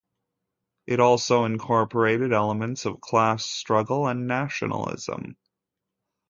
It also incorporated elements of class struggle and nationalism.